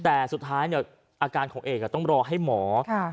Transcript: แต่สุดท้ายเนี่ยอาการของเอกต้องรอให้หมอ